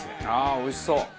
ああおいしそう！